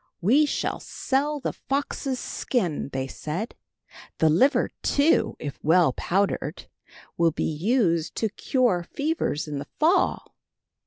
"We shall sell the fox's skin," they said. "The liver, too, if well powdered, will be used to cure fevers in the fall."